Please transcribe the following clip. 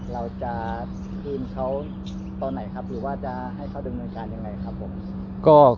เราจะคืนเขาตอนไหนครับหรือว่าจะให้เขาดำเนินการยังไงครับผม